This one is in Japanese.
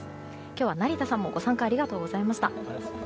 今日は成田さんもご参加ありがとうございました。